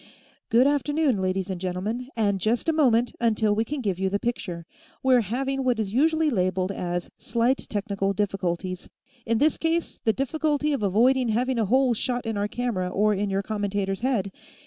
"Good afternoon, ladies and gentlemen, and just a moment, until we can give you the picture. We're having what is usually labeled as 'slight technical difficulties,' in this case the difficulty of avoiding having a hole shot in our camera or in your commentator's head.